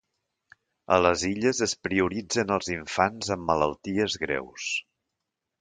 A les Illes es prioritzen els infants amb malalties greus.